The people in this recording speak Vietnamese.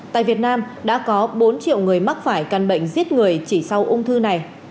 tại việt nam đã có bốn triệu người mắc phải căn bệnh giết người chỉ sau ung thư này